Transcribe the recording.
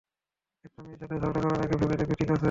একটা মেয়ের সাথে ঝগড়া করার আগে ভেবে দেখবে, ঠিক আছে?